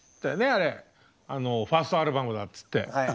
あれファーストアルバムだつって。